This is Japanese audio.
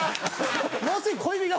もうすぐ。